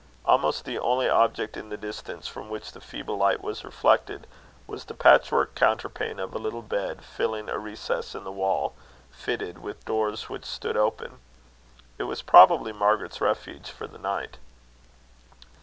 Almost the only object in the distance from which the feeble light was reflected, was the patch work counterpane of a little bed filling a recess in the wall, fitted with doors which stood open. It was probably Margaret's refuge for the night.